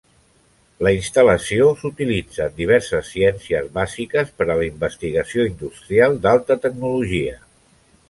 La instal·lació s'utilitza en diverses ciències bàsiques per a la investigació industrial d'alta tecnologia.